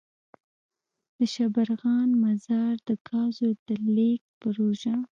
دشبرغان -مزار دګازو دلیږد پروژه.